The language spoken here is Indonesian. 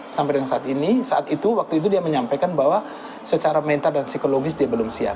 sampai dengan saat ini saat itu waktu itu dia menyampaikan bahwa secara mental dan psikologis dia belum siap